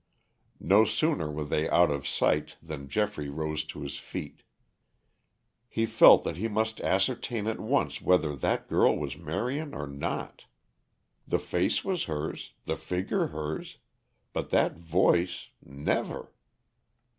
No sooner were they out of sight than Geoffrey rose to his feet. He felt that he must ascertain at once whether that girl was Marion or not. The face was hers, the figure hers, but that voice never!